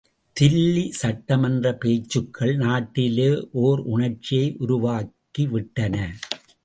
தில்லி சட்மன்ற பேச்சுக்கள் நாட்டிலே ஓர் உணர்ச்சியை உருவாக்கி விட்டன.